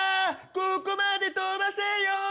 ここまで飛ばせよ！